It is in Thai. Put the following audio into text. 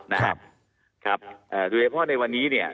และตัวเนี่ยเพราะความในวันนี้เนี่ย